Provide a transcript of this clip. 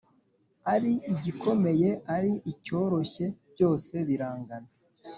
ari igikomeye, ari icyoroshye byose birangana.